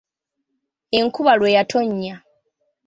Enkuba lwe yatonnya.